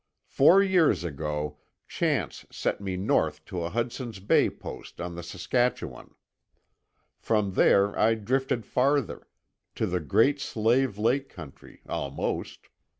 Four years ago chance sent me north to a Hudson's Bay post on the Saskatchewan. From there I drifted farther—to the Great Slave Lake country, almost.